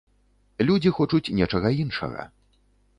Людзі хочуць нечага іншага.